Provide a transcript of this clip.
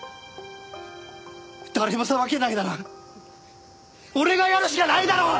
誰も裁けないなら俺がやるしかないだろ！